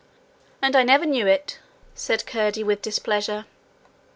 'And I never to know it!' said Curdie, with displeasure.